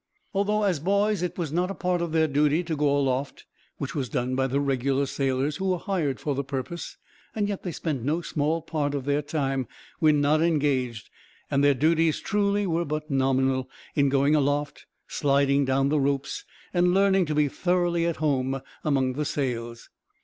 Although as boys it was not a part of their duty to go aloft, which was done by the regular sailors who were hired for the purpose, yet they spent no small part of their time, when not engaged and their duties truly were but nominal in going aloft, sliding down the ropes, and learning to be thoroughly at home among the sails.